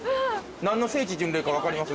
何の聖地巡礼か分かります？